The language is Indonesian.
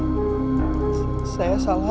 jangan rusak kepercayaan saya